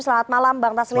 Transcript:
selamat malam bang taslim